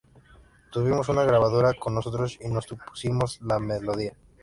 Tuvimos una grabadora con nosotros y nos pusimos la melodía".